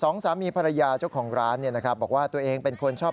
นี่ครั้งแรกในชีวิตครับ